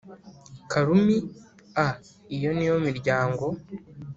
Karumi a Iyo ni yo miryango